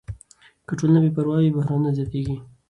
که ټولنه بې پروا وي، بحرانونه زیاتېږي.